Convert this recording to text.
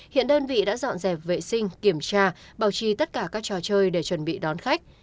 hiện đơn vị đã dọn dẹp vệ sinh kiểm tra bảo trì tất cả các trò chơi để chuẩn bị đón khách